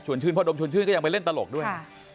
ชื่นพ่อดมชวนชื่นก็ยังไปเล่นตลกด้วย